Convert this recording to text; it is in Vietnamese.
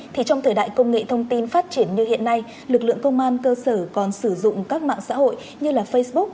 thì trong thời đại công nghệ thông tin phát triển như hiện nay lực lượng công an cơ sở còn sử dụng các mạng xã hội như facebook